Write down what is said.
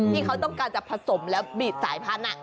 ที่เขาต้องการจะผสมแล้วบีดสายพันธุ์